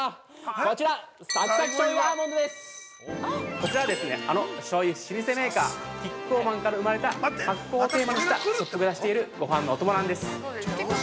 ◆こちら、あの醤油老舗メーカー、キッコーマンから生まれた発酵をテーマにしたショップが出しているごはんのお供なんです。